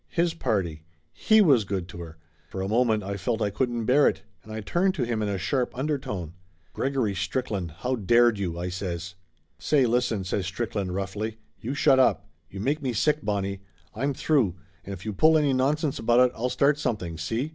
His party! He was good to her! For a minute I felt I couldn't bear it, and I turned to him in a sharp undertone. "Gregory Strickland, how dared you !" I says. "Say, listen!" says Strickland roughly. "You shut up! You make me sick, Bonnie. I'm through, and if you pull any nonsense about it I'll start something, see?"